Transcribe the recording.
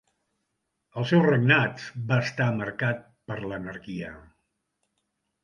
El seu regnat va estar marcat per l'anarquia.